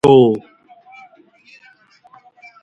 Barnard was also sponsored by the National Party.